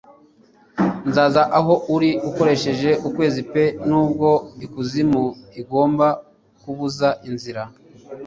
Nzaza aho uri ukoresheje ukwezi pe nubwo ikuzimu igomba kubuza inzira!